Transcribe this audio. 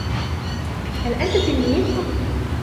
هل أنت تلميذ؟